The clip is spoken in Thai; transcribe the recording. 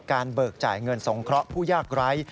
เบิกจ่ายเงินสงเคราะห์ผู้ยากไร้